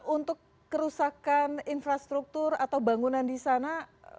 untuk kerusakan infrastruktur atau bangunan di sana